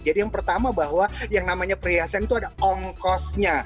jadi yang pertama bahwa yang namanya perhiasan itu ada ongkosnya